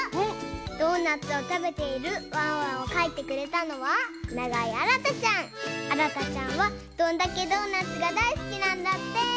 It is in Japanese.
ドーナツをたべているワンワンをかいてくれたのはあらたちゃんは「どんだけドーナツ！？」がだいすきなんだって！